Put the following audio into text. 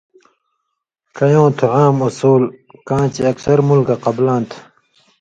ڇَیؤں تُھو عام اُصولہ کاں چے اکثر مُلکہ قبلاں تھہ۔